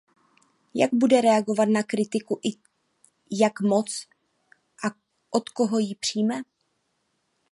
Jak bude reagovat na kritiku i jak moc a od koho ji přijme.